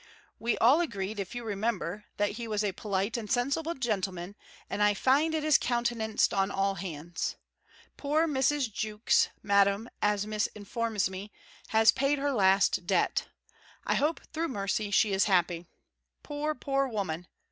We all agreed, if you remember, that he was a polite and sensible gentleman, and I find it is countenanced on all hands. Poor Mrs. Jewkes, Madam, as Miss informs me, has paid her last debt. I hope, through mercy, she is happy! Poor, poor woman!